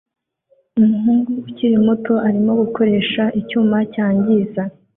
Umuhungu ukiri muto arimo gukoresha icyuma cyangiza